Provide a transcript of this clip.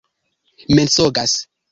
mensogas